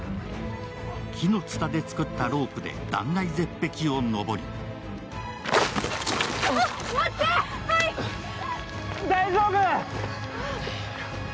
木のつたで作ったロープで断崖絶壁を登り大丈夫！